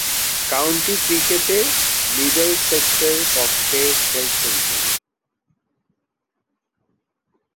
County ক্রিকেটে মিডলসেক্সের পক্ষে খেলছেন তিনি।